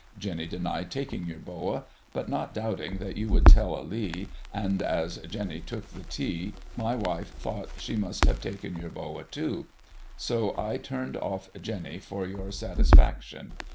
Jenny denied taking your Bowa ; but not doubting that you would tell a lee, and as Jenny tuke the tea, my wife thocht she must have taken your Bowa too, so I turned off Jeny for your satisfaction.